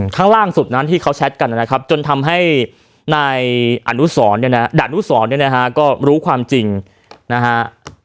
ข้างล่างสุดนั้นที่เขาแชทกันนะครับจนทำให้นายอนุสรเนี่ยนะฮะดานุสรเนี่ยนะฮะก็รู้ความจริงนะฮะ